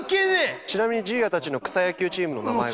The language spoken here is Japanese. ちなみにじいやたちの草野球チームの名前は。